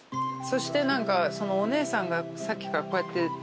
そして何かお姉さんがさっきからこうやってるそれが。